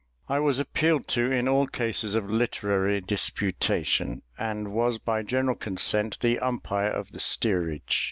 I was appealed to in all cases of literary disputation, and was, by general consent, the umpire of the steerage.